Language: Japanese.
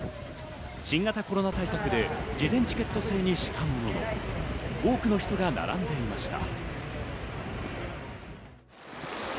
新型コロナ対策で事前チケット制にしたものの、多くの人が並んでいました。